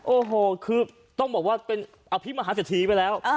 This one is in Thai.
โอ้โหคือต้องบอกว่าเป็นอภิมศาสตร์เสียทีไปแล้ว